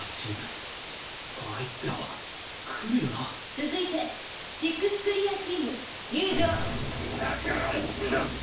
「続いて６ｔｈクリアチーム入場」だから押すなって！